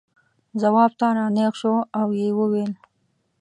ځواب ته را نېغ شو او یې وویل.